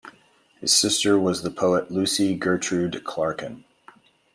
His sister was the poet Lucy Gertrude Clarkin.